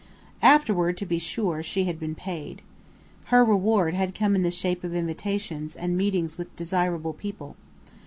Afterward, to be sure, she had been paid. Her reward had come in the shape of invitations and meetings with desirable people.